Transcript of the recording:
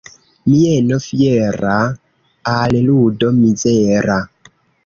Mieno fiera al ludo mizera.